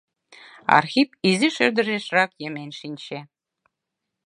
Архип изиш ӧрдыжешрак йымен шинче.